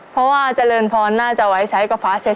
เพราะว่าเจริญพรน่าจะไว้ใช้กับฟ้าเฉย